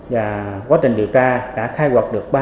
và quá trình điều tra đã khai quật được